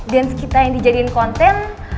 dance kita yang dijadiin konten